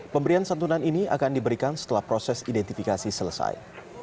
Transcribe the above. pemberian santunan ini akan diberikan setelah proses identifikasi selesai